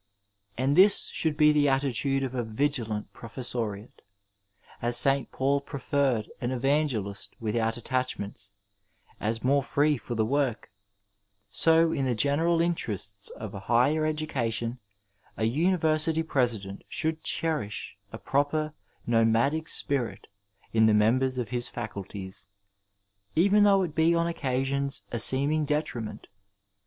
And this should Digitized by Google THE FIXED PERIOD be the attitude of a vigilant professoriate. Ab St. Paal preferred an evangelist without attachments, as more free for the work, so in the general interests of higher education a University President should cherish a proper nomadic spirit in the members of his faculties, even though it be on occasions a seeming detriment.